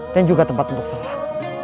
dan juga tempat untuk sholat